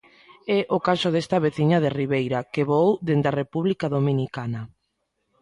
É o caso desta veciña de Ribeira que voou dende a República Dominicana.